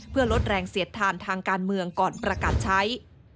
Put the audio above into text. เพื่อลดแรงเสียดทานทางการเมืองก่อนประกาศใช้